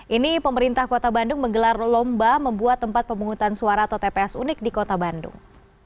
ini pemerintah kota bandung menggelar lomba membuat tempat pemungutan suara atau tps unik di kota bandung